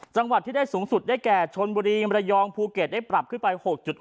จังหวัดที่ได้สูงสุดได้แก่ชนบุรีมรยองภูเก็ตได้ปรับขึ้นไป๖๖